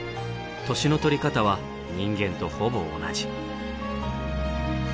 年の取り方は人間とほぼ同じ。